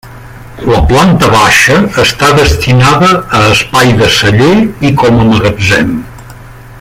La planta baixa està destinada a espai de celler i com a magatzem.